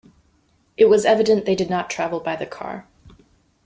It was evident they did not travel by the car.